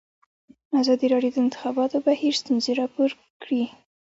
ازادي راډیو د د انتخاباتو بهیر ستونزې راپور کړي.